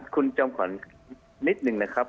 คุณจำขอนิดหนึ่งนะครับ